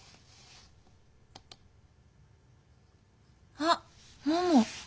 あっもも！